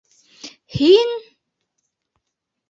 Һин?!.